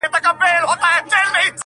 ماخو ستا غمونه ځوروي گلي ~